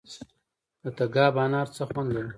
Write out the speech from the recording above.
د تګاب انار څه خوند لري؟